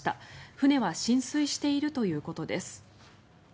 船は浸水しているということです。